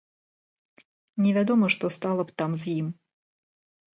Невядома, што стала б там з ім.